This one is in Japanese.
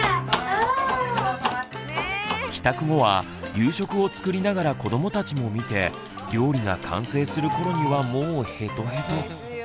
帰宅後は夕食を作りながら子どもたちも見て料理が完成する頃にはもうヘトヘト。